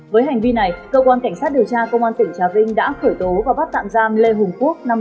với hành vi này cơ quan cảnh sát điều tra công an tỉnh trà vinh đã khởi tố và bắt tạm giam lê hùng quốc